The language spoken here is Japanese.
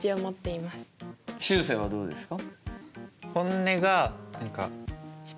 しゅうせいはどうですか？